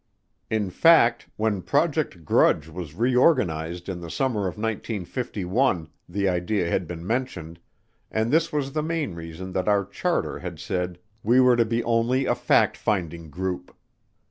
In fact, when Project Grudge was reorganized in the summer of 1951 the idea had been mentioned, and this was the main reason that our charter had said we were to be only a fact finding group.